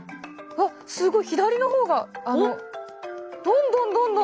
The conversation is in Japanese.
すごい左の方がどんどんどんどん。